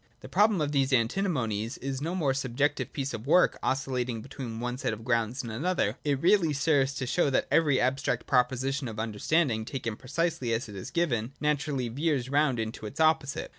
The problem of these Antinomies is no mere subjective piece of work oscillating between one set of grounds and another : it really serves to show that every abstract proposition of understanding, taken precisely as it is given, naturally veers round into its opposite.